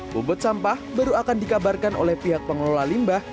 bumbut sampah baru akan dikabarkan oleh pihak pengelola limbah